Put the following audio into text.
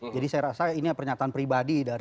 jadi saya rasa ini pernyataan pribadi dari